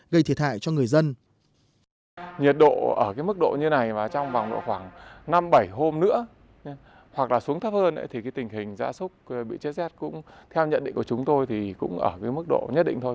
nhiệt độ ở mức độ như này trong vòng năm bảy hôm nữa hoặc xuống thấp hơn thì tình hình ra súc bị chết rét cũng theo nhận định của chúng tôi thì cũng ở mức độ nhất định thôi